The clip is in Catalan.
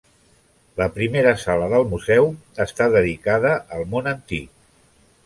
La primera sala del museu està dedicada al món antic.